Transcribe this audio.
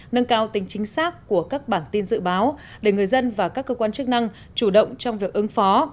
nâng cao tính chính xác của các bản tin dự báo để người dân và các cơ quan chức năng chủ động trong việc ứng phó